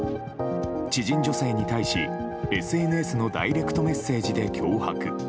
知人女性に対し、ＳＮＳのダイレクトメッセージで脅迫。